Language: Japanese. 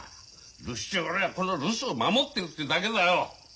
留守中俺はこの留守を守ってるっていうだけだよ。